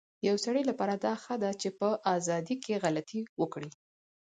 يو سړي لپاره دا ښه ده چي په ازادی کي غلطي وکړی